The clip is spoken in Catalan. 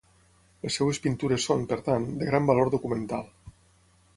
Les seves pintures són, per tant, de gran valor documental.